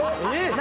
何？